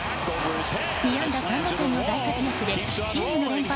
２安打３打点の大活躍でチームの連敗